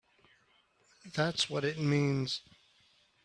That's what it means!